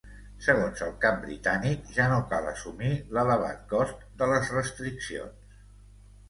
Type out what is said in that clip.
Segons el cap britànic, ja no cal assumir “l’elevat cost” de les restriccions.